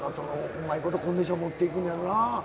うまいことコンディション持っていくんやろうな。